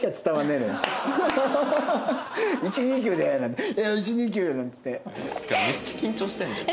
めっちゃ緊張してるんだよ。